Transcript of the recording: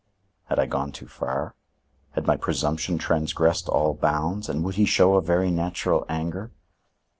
Had I gone too far? Had my presumption transgressed all bounds and would he show a very natural anger?